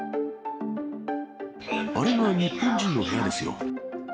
あれが日本人の部屋ですよ。